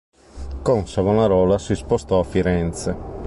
Con Savonarola si spostò a Firenze.